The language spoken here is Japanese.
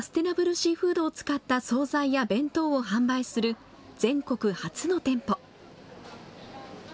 シーフードを使った総菜や弁当を販売する全国初の店舗。